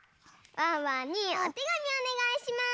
ワンワンにおてがみおねがいします。